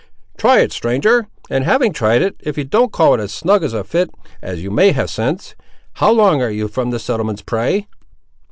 Try it, stranger; and having tried it, if you don't call it as snug a fit as you have made since—How long ar' you from the settlements, pray?"